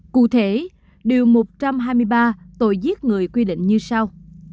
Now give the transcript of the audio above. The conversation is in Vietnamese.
cụ thể điều một trăm hai mươi ba tội giết người quy định như sau